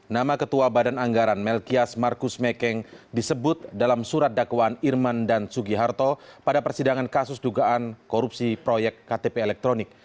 nama ketua badan anggaran melkias markus mekeng disebut dalam surat dakwaan irman dan sugiharto pada persidangan kasus dugaan korupsi proyek ktp elektronik